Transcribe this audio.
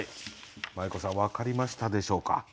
まい子さん分かりましたでしょうか。